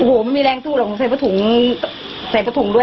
โอ้โหไม่มีแรงสู้หรอกใส่ผ้าถุงใส่ผ้าถุงด้วย